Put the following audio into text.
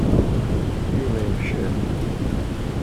Yuba yefcel.